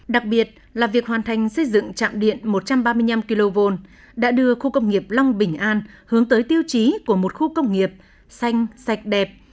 đặc biệt là việc hoàn thành xây dựng trạm điện một trăm ba mươi năm kv đã đưa khu công nghiệp long bình an hướng tới tiêu chí của một khu công nghiệp xanh sạch đẹp